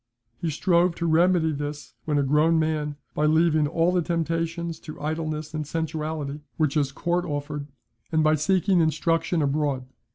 He strove to remedy this when a grown man, by leaving all the temptations to idleness and sensuality, which his court offered, and by seeking instruction abroad.